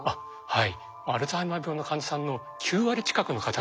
はい。